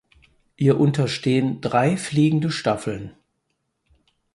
Ihr unterstehen drei fliegende Staffeln.